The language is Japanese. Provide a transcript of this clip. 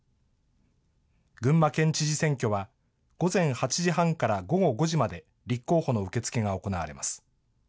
群馬県知事選挙は、午前８時半から午後５時まで立候補の受け付けが行われます。